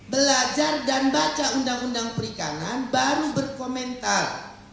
belajar dan baca undang undang perikanan baru berkomentar